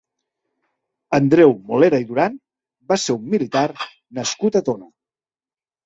Andreu Molera i Duran va ser un militar nascut a Tona.